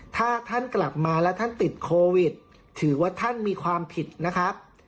ถ้าท่านกลับมาแล้วท่านติดโควิดถือว่าท่านมีความผิดนะครับ